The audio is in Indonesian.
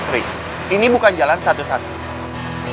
riz ini bukan jalan satu satunya